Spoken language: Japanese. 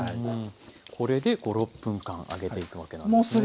これで５６分間揚げていくわけなんですね。